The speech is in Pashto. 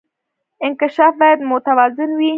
انکشاف باید متوازن وي